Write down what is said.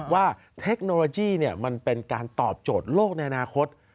เทคโนโลยีมันเป็นการตอบโจทย์โลกในอนาคต